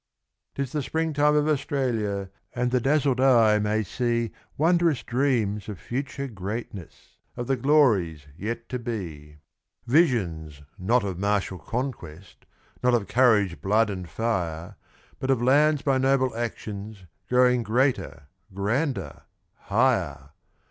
'Tis the Springtime of Australia, and the dazzled eye may see Wondrous dreams of future greatness of the glories yet to be: Visions not of martial conquest not of courage, blood and fire But of lands by noble actions growing greater, grander, higher!